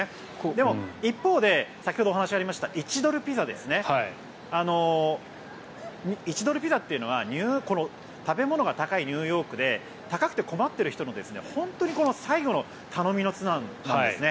でも一方で先ほどお話がありました１ドルピザというのは食べ物が高いニューヨークで高くて困っている人の本当に最後の頼みの綱なんですね。